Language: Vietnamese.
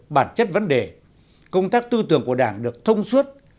bản chất vấn đề công tác tư tưởng của đảng được thông suốt